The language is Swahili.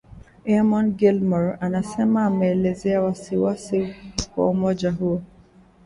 Eamon Gilmore alisema ameelezea wasi-wasi wa umoja huo